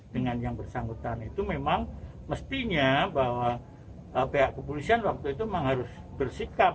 dengan yang bersangkutan itu memang mestinya bahwa pihak kepolisian waktu itu memang harus bersikap